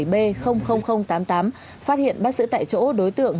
phát hiện bắt giữ tại chỗ đối tượng